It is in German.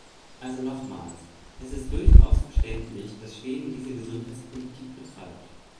Also nochmals, es ist durchaus verständlich, dass Schweden diese Gesundheitspolitik betreibt.